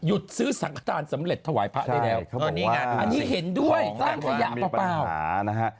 ซื้อสังขทานสำเร็จถวายพระได้แล้วอันนี้เห็นด้วยสร้างขยะเปล่านะฮะ